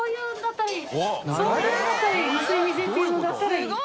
すごい！